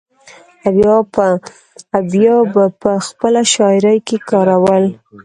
او بيا به پۀ خپله شاعرۍ کښې کارول ۔